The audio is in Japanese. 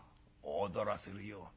「踊らせるよ。